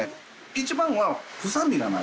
一番は。